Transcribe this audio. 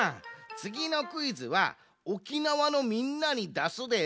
つぎのクイズは沖縄のみんなにだすで。